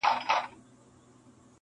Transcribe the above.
مور مې پۀ دواړه لاسه شپه وه موسله وهله,